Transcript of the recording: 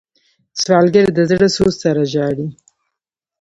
سوالګر د زړه سوز سره ژاړي